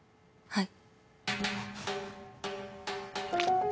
はい。